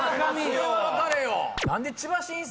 これは分かれよ！